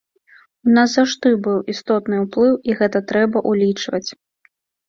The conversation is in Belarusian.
У нас заўжды быў істотны ўплыў і гэта трэба ўлічваць.